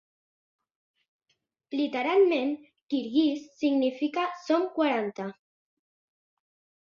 Literalment, kirguís significa "Som quaranta".